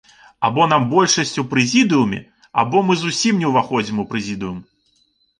Або нам большасць у прэзідыуме, або мы зусім не ўваходзім у прэзідыум!